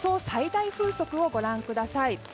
最大風速をご覧ください。